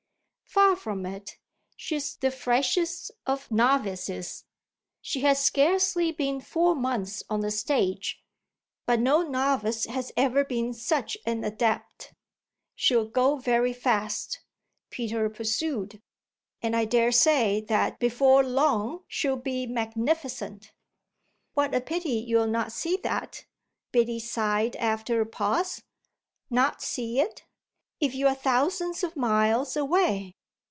"Far from it; she's the freshest of novices she has scarcely been four months on the stage. But no novice has ever been such an adept. She'll go very fast," Peter pursued, "and I daresay that before long she'll be magnificent." "What a pity you'll not see that!" Biddy sighed after a pause. "Not see it?" "If you're thousands of miles away."